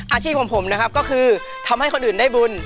อาชีพของผมนะครับก็คือทำให้คนอื่นได้บุญ